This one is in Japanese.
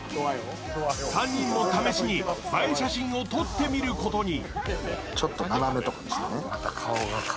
３人も試しに映え写真を撮ってみることに。